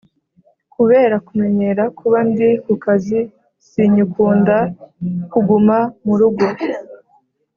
Kubera kumenyera kuba ndi ku kazi sinyikunda kuguma mu rugo